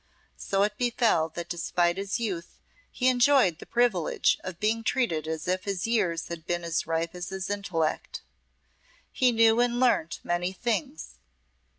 So it befel that, despite his youth, he enjoyed the privilege of being treated as if his years had been as ripe as his intellect. He knew and learned many things.